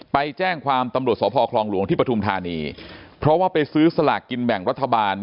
ไปแจ้งความตำรวจสพคลองหลวงที่ปฐุมธานีเพราะว่าไปซื้อสลากกินแบ่งรัฐบาล